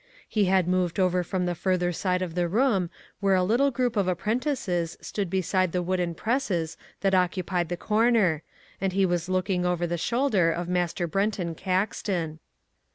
He had moved over from the further side of the room where a little group of apprentices stood beside the wooden presses that occupied the corner, and he was looking over the shoulder of Master Brenton Caxton.